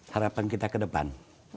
harapan kita ke depan